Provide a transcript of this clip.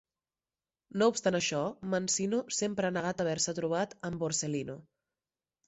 No obstant això, Mancino sempre ha negat haver-se trobat amb Borsellino.